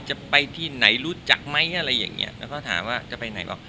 จะไปที่ไหนรู้จักไหมอะไรอย่างเงี้ยแล้วก็ถามว่าจะไปไหนบอก